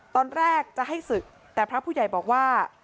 ตอนแรกจะให้ศึกแต่พระผู้ใหญ่บอกว่า